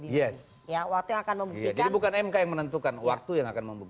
itu kita harus pegang